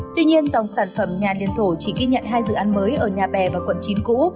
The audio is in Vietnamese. tuy nhiên dòng sản phẩm nhà liền thổ chỉ ghi nhận hai dự án mới ở nhà bè và quận chín cũ